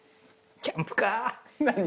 キャンプに。